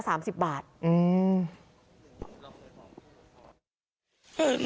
สามสิบบาทอืม